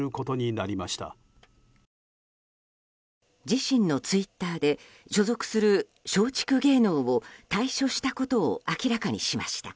自身のツイッターで所属する松竹芸能を退所したことを明らかにしました。